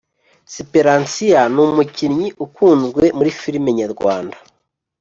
siperansiya numukinnyi ukunzwe muri firme nyarwanda